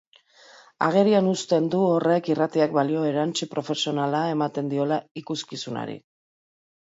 Agerian uzten du horrek irratiak balio erantsi profesionala ematen diola ikuskizunari.